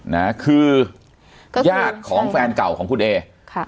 นะคือญาติของแฟนเก่าของคุณเอค่ะ